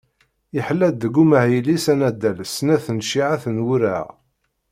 Iḥella-d deg umahil-is anaddal snat n cciεat n wuraɣ.